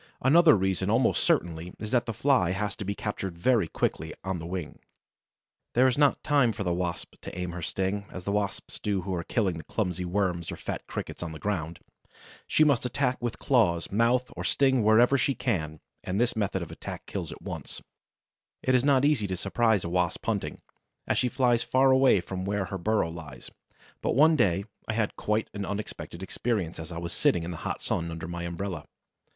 Another reason almost certainly is that the Fly has to be captured very quickly, on the wing. There is not time for the Wasp to aim her sting, as the Wasps do who are killing clumsy Worms or fat Crickets on the ground. She must attack with claws, mouth or sting wherever she can, and this method of attack kills at once. It is not easy to surprise a Wasp hunting, as she flies far away from where her burrow lies; but one day I had a quite unexpected experience as I was sitting in the hot sun under my umbrella.